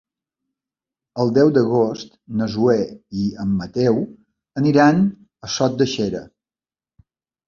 El deu d'agost na Zoè i en Mateu aniran a Sot de Xera.